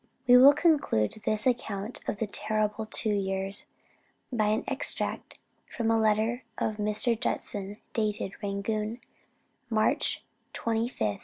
We will conclude this account of the terrible two years, by an extract from a letter of Mr. Judson dated Rangoon, March 25, 1826.